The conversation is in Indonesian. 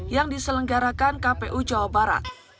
yang diselenggarakan kpu jawa barat